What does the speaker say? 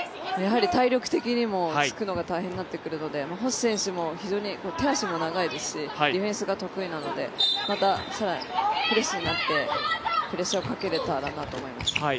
体力的にもつくのが大変になってくるので星選手も非常に手足も長いですし、ディフェンスが得意なのでまたフレッシュになってプレッシャーをかけられたらなと思います。